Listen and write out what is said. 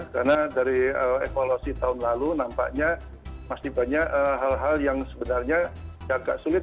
karena dari evaluasi tahun lalu nampaknya masih banyak hal hal yang sebenarnya agak sulit